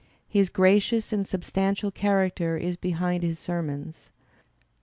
His gracious and sub stantial character is behind his sermons.